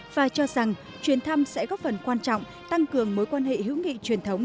và cho rằng chuyến thăm sẽ góp phần quan trọng tăng cường mối quan hệ hữu nghị truyền thống